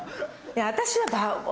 私は。